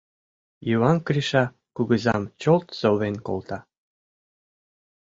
Йыван Криша кугызам чолт совен колта.